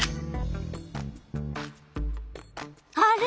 あれ？